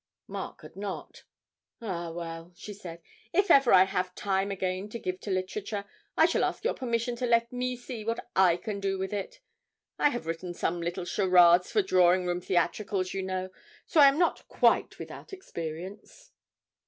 Mark had not. 'Ah, well,' she said, 'if ever I have time again to give to literature, I shall ask your permission to let me see what I can do with it. I have written some little charades for drawing room theatricals, you know, so I am not quite without experience.'